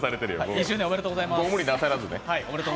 ２周年おめでとうございます